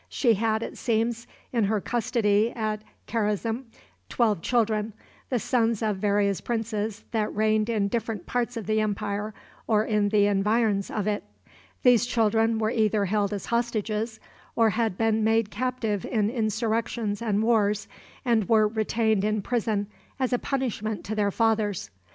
She had, it seems, in her custody at Karazm twelve children, the sons of various princes that reigned in different parts of the empire or in the environs of it. These children were either held as hostages, or had been made captive in insurrections and wars, and were retained in prison as a punishment to their fathers.